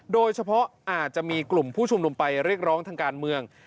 โดยเฉพาะอาจจะมีกลุ่มผู้ชุมนุมไปเรียกร้องทางการเมือง